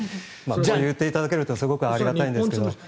そう言っていただけるとすごくありがたいんですが。